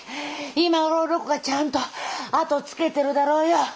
今頃六がちゃんと後をつけてるだろうよ。